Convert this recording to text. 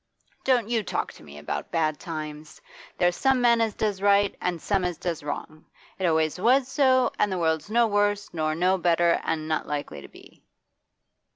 Don't talk to me about bad times. There's some men as does right an' some as does wrong; it always was so, an' the world's no worse nor no better, an' not likely to be.